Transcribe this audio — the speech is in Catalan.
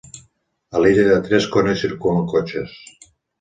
A l'illa de Tresco no hi circulen cotxes.